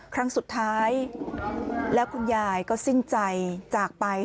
ครั้งสุดท้ายแล้วคุณยายก็สิ้นใจจากไป